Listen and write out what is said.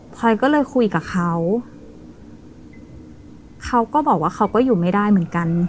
พอยก็เลยคุยกับเขาเขาก็บอกว่าเขาก็อยู่ไม่ได้เหมือนกัน